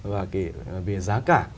và về giá cả